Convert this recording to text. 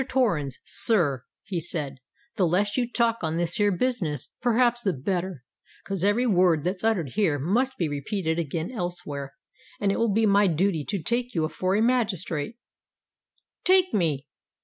Torrens, sir," he said, "the less you talk on this here business, perhaps the better; 'cos every word that's uttered here must be repeated again elsewhere; and it will be my dooty to take you afore a magistrate——" "Take me!"